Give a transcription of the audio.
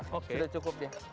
sudah cukup ya